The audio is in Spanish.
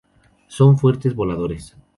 Son fuertes voladores.